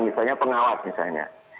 misalnya pengawas misalnya